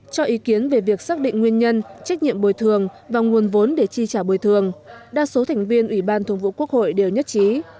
cho ý kiến về việc xác định nguyên nhân trách nhiệm bồi thường và nguồn vốn để chi trả bồi thường đa số thành viên ủy ban thường vụ quốc hội đều nhất trí